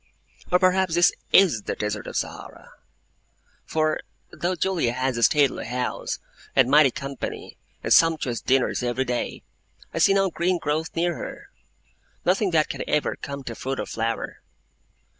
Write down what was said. Or perhaps this IS the Desert of Sahara! For, though Julia has a stately house, and mighty company, and sumptuous dinners every day, I see no green growth near her; nothing that can ever come to fruit or flower.